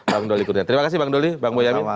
bang dolly kudian terima kasih bang dolly bang boyamin